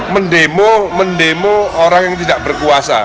mendemo mendemo orang yang tidak berkuasa